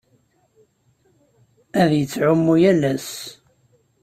Ad yettɛumu yal ass.